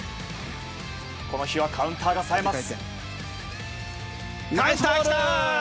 この日はカウンターがさえます。